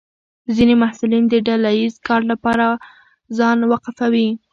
ځینې محصلین د ډله ییز کار لپاره ځان وقفوي.